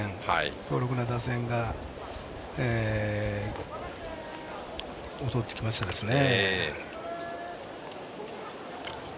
強力な打線が襲ってきましたね。